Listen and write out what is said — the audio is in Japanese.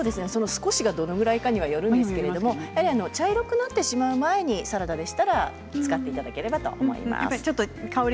少しがどれくらいかによりますが茶色くなってしまう前にサラダでしたら使っていただければと思います。